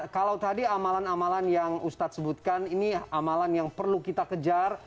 kalau tadi amalan amalan yang ustadz sebutkan ini amalan yang perlu kita kejar